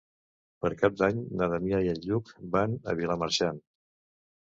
Per Cap d'Any na Damià i en Lluc van a Vilamarxant.